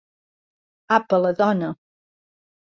Àpala, dona!